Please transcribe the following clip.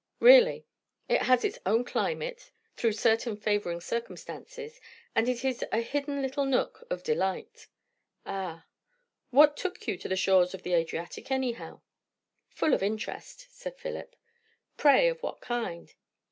Really; it has its own climate, through certain favouring circumstances; and it is a hidden little nook of delight." "Ah! What took you to the shores of the Adriatic, anyhow?" "Full of interest," said Philip. "Pray, of what kind?"